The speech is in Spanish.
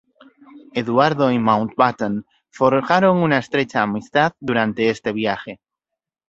Eduardo y Mountbatten forjaron una estrecha amistad durante este viaje.